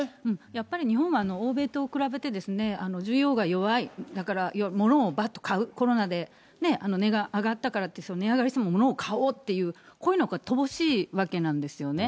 やっぱり日本は欧米と比べて、需要が弱い、だからものをばっと買う、コロナで値が上がったからって、値上がりしてもものを買おうっていう、こういうのが乏しいわけなんですよね。